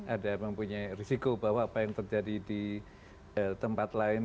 ada mempunyai risiko bahwa apa yang terjadi di tempat lain